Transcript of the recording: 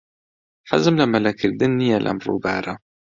حەزم لە مەلەکردن نییە لەم ڕووبارە.